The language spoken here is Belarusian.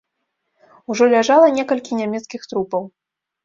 Ужо ляжала некалькі нямецкіх трупаў.